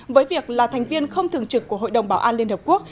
với việc là thành viên không thường trực của hội đồng bảo an liên hợp quốc